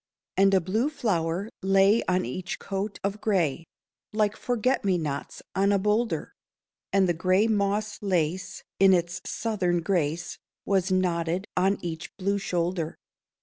And a blue flower lay on each coat of gray, Like forget me nots on a boulder; And the gray moss lace in its Southern grace Was knotted on each blue shoulder.